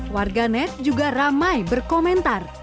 warga net juga ramai berkomentar